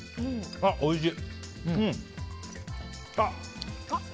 あ、おいしい！